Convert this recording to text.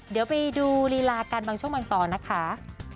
เดี๋ยวไปดูลีลากันบางช่วงบางตอนนะคะ